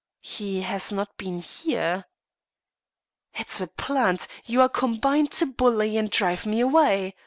"] "He has not been here." "It's a plant. You are combined to bully me and drive me away.